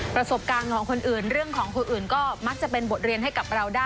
ประสบการณ์ของคนอื่นเรื่องของคนอื่นก็มักจะเป็นบทเรียนให้กับเราได้